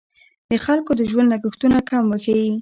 د خلکو د ژوند لګښتونه کم وښیي.